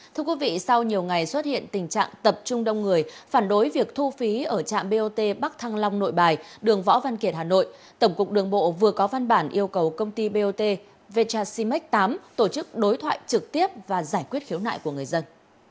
thưa quý vị sau nhiều ngày xuất hiện tình trạng tập trung đông người phản đối việc thu phí ở trạm bot bắc thăng long nội bài đường võ văn kiệt hà nội tổng cục đường bộ vừa có văn bản yêu cầu công ty bot vjashimate tám tổ chức đối thoại trực tiếp và giải quyết khiếu nại của người dân